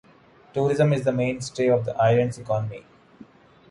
Tourism is the mainstay of the island's economy.